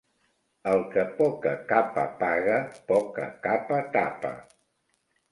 El que poca capa paga, poca capa tapa.